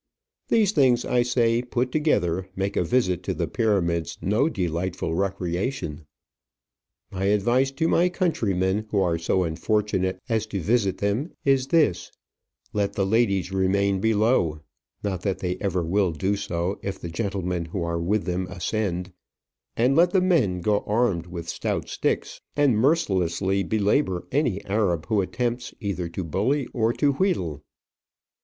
These things, I say, put together, make a visit to the Pyramids no delightful recreation. My advice to my countrymen who are so unfortunate as to visit them is this: Let the ladies remain below not that they ever will do so, if the gentlemen who are with them ascend and let the men go armed with stout sticks, and mercilessly belabour any Arab who attempts either to bully or to wheedle.